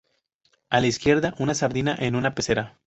A la izquierda, una sardina en una pecera.